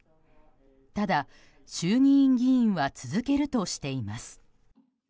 ただ、衆議院議員は続けるとしています。